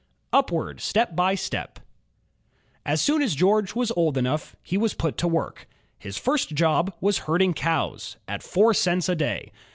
Upward Step by Step As soon as George was old enough, he was put to work. His first job was herding cows, at four cents a day.